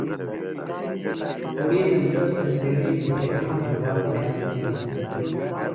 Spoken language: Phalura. کُڑِینم تس تھےۡ تیݨی بٹھے حال حوال بیان تِھیلیۡ